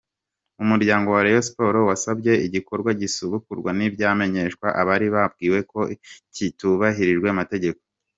Umuryango wa Rayon Sports wasabye ko igikorwa gisubukurwa ntibyamenyeshwa abari babwiwe ko kitubahirije amategeko